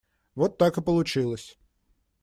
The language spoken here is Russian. Вот так и получилось.